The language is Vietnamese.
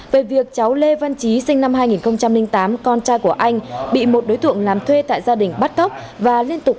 về việc cháu lê văn trí sinh năm hai nghìn tám con trai của anh bị một đối tượng làm thuê tại gia đình bắt cóc